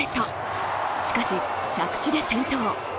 しかし、着地で転倒。